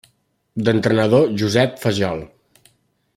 D'entrenador, Josep Fajol.